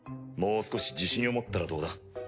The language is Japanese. もう少し自信を持ったらどうだ？